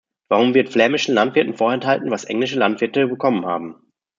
Warum wird flämischen Landwirten vorenthalten, was englische Landwirte bekommen haben?